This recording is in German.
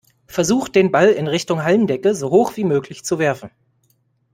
Versucht den Ball in Richtung Hallendecke so hoch wie möglich zu werfen.